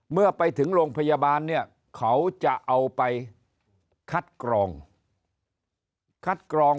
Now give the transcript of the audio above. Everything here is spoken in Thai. เมื่อไปถึงโรงพยาบาลเนี่ยเขาจะเอาไปคัดกรองคัดกรอง